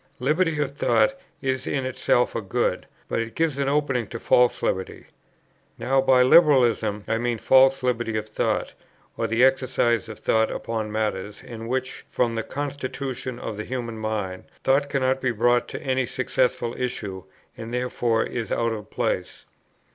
Liberty of thought is in itself a good; but it gives an opening to false liberty. Now by Liberalism I mean false liberty of thought, or the exercise of thought upon matters, in which, from the constitution of the human mind, thought cannot be brought to any successful issue, and therefore is out of place.